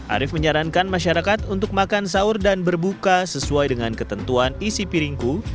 arief menyarankan masyarakat untuk makan sahur dan berbuka sesuai dengan ketentuan isi piringku